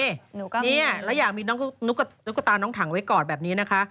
หนูก็เนี่ยแล้วอยากมีน้องตุ๊กตาน้องถังไว้ก่อนแบบนี้นะคะ